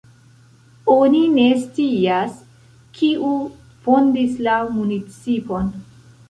Oni ne scias kiu fondis la municipon.